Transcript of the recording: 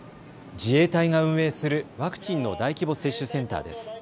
自衛隊が運営するワクチンの大規模接種センターです。